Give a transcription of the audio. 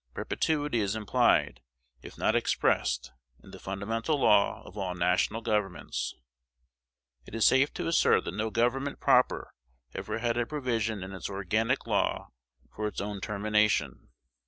Perpetuity is implied, if not expressed, in the fundamental law of all national governments. It is safe to assert that no government proper ever had a provision in its organic law for its own termination.